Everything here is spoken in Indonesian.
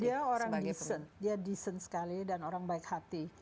dia orang desin dia desain sekali dan orang baik hati